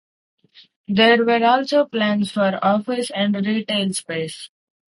There were also plans for office and retail space.